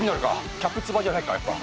「キャプ翼」じゃないかやっぱ。